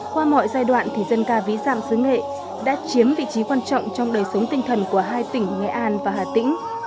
qua mọi giai đoạn thì dân ca vĩ giảm sứ nghệ đã chiếm vị trí quan trọng trong đời sống tinh thần của hai tỉnh nghệ an và hà nội